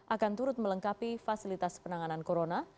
akan turut melengkapi fasilitas penanganan corona